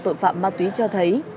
tội phạm má túy cho thấy